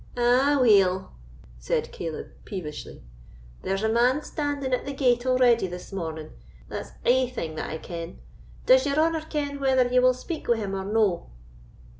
"Aweel!" said Caleb, peevishly, "there's a man standing at the gate already this morning—that's ae thing that I ken. Does your honour ken whether ye will speak wi' him or no?"